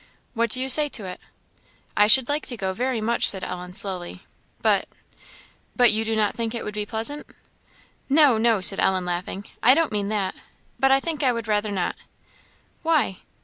"What do you say to it?" "I should like to go, very much," said Ellen, slowly "but " "But you do not think it would be pleasant?" "No, no," said Ellen, laughing, "I don't mean that; but I think I would rather not." "Why?"